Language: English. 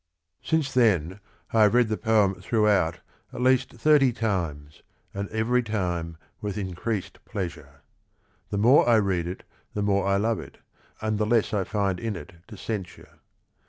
Since then I have read the poem throughout at least thirty times, and every time with in creased pleasure. The more I read it, the more I love it, and the less I find in it to censure.